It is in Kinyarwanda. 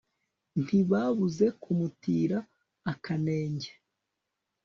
ntibabuze kumutira akanenge…